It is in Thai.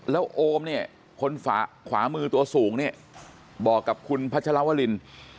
แล้วโอมเนี่ยคนขวามือตัวสูงเนี่ยบอกกับคุณพัชรวริน